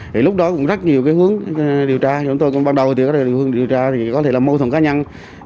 thì lúc đó cũng rất nhiều cái hướng điều tra chúng tôi cũng ban đầu thì hướng điều tra có thể là mâu thuẫn cá nhân